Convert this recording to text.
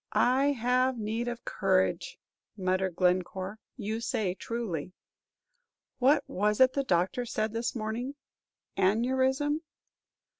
"I have need of courage," muttered Glencore; "you say truly. What was it the doctor said this morning, aneurism?"